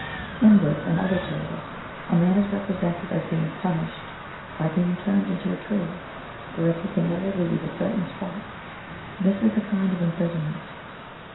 In this and other tales a man is represented as being punished by being turned into a tree, so that he can never leave a certain spot. This is a kind of imprisonment.